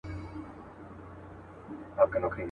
ستا په لاره کي به نه وي زما د تږو پلونو نښي.